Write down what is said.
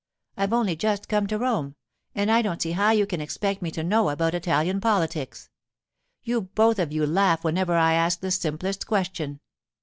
I've only just come to Rome, and I don't see how you can expect me to know about Italian politics. You both of you laugh whenever I ask the simplest question.